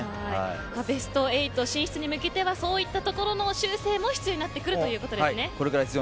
ベスト８進出に向けてはそういったところの修正も必要になってくるということですね。